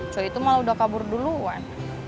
so itu malah udah kabur duluan